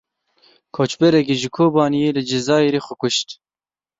Koçberekî ji Kobaniyê li Cezayirê xwe kuşt.